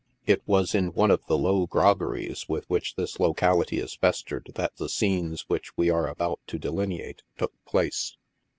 It was in one of the low groggeries with which this locality is festered that the scenes which we are about to delineate took place.